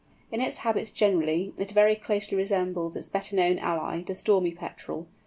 In its habits generally it very closely resembles its better known ally, the Stormy Petrel.